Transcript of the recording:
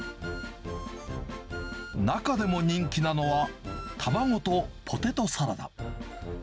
中でも人気なのは、卵とポテトサラダ。